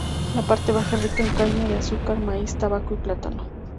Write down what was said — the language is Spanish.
La parte baja rica en caña de azúcar, maíz, tabaco y plátano.